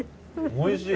おいしい。